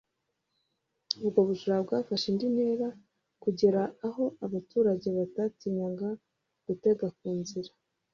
ubwo bujura bwafashe indi ntera kugera aho abaturage batatinyaga gutega ku nzira